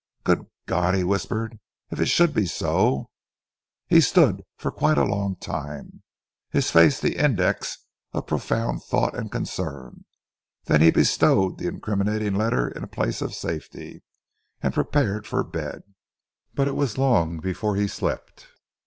"Good God!" he whispered. "If it should be so?" He stood for quite a long time, his face the index of profound thought and concern, then he bestowed the incriminating letter in a place of safety, and prepared for bed. But it was long before he slept.